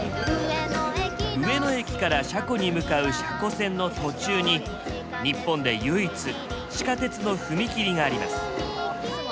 上野駅から車庫に向かう車庫線の途中に日本で唯一地下鉄の踏切があります。